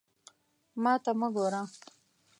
ما ته مه ګوره!